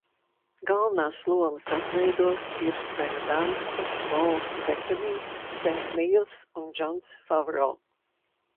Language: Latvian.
Galvenās lomas atveido Kirstena Dansta, Pols Betanijs, Sems Nīls un Džons Favro.